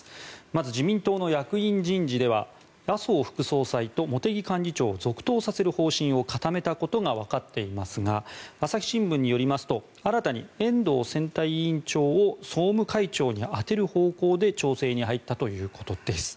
まず、自民党の役員人事では麻生副総裁と茂木幹事長を続投させる方針を固めたことがわかっていますが朝日新聞によりますと新たに遠藤選対委員長を総務会長に充てる方向で調整に入ったということです。